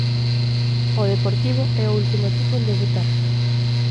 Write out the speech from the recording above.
O Deportivo é o último equipo en debutar.